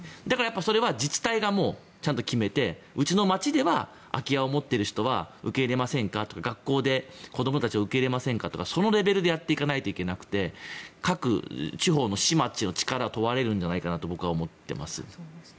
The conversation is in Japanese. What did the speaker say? だからそれは自治体がもうちゃんと決めてうちの町では空き家を持っている人は受け入れませんかとか学校で子どもたちを受け入れませんかとかそのレベルでやっていかないといけなくて各地方の市や町の力が問われるのではと思います。